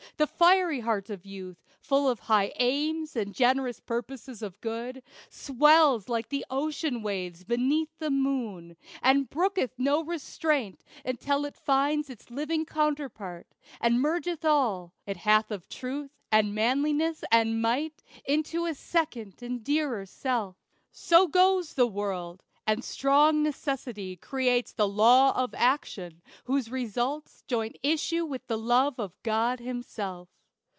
The fiery heart of youth, Full of high aims and generous purposes of good, Swells like the ocean waves beneath the moon, And brooketh no restraint, until it finds Its living counterpart, and mergeth all It hath of truth, and manliness, and might, Into a second and a dearer self. So goes the world! and strong necessity Creates the law of action, whose results Join issue with the love of God himself.